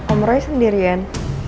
om roy sendirian